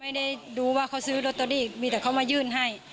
ไม่ได้ดูว่าเขาซื้อลอตเตอรี่มีแต่เขามายื่นให้